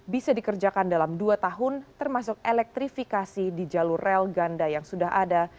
bisa dikerjakan dalam dua tahun termasuk elektrifikasi di jalur rel ganda yang sudah ada